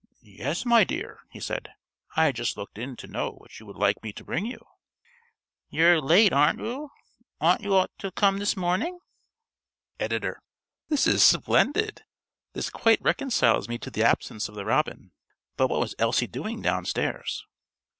"Yes, my dear," he said. "I just looked in to know what you would like me to bring you." "You're late, aren't oo? Oughtn't oo to have come this morning?" (~Editor.~ _This is splendid. This quite reconciles me to the absence of the robin. But what was Elsie doing downstairs?